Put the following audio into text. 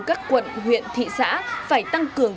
các quận huyện thị xã phải tăng cường